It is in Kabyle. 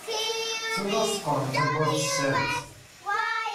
Ttun ur sekkṛen tawwurt s tsarut.